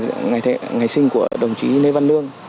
chào mừng kỷ niệm một trăm một mươi năm ngày sinh của đồng chí lê văn lương